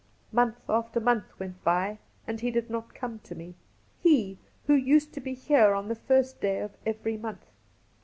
Month after month went by and he did not come to me ^ he, who used to be here on the first day of every month.